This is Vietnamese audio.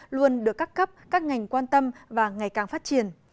luôn được các cấp các ngành quan tâm và ngày càng phát triển